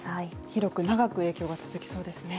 広く長く影響が続きそうですね。